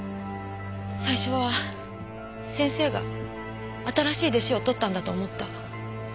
最初は先生が新しい弟子をとったんだと思った。